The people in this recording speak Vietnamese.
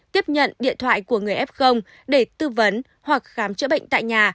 tiếp nhận điện thoại của người f để tư vấn hoặc khám chữa bệnh tại nhà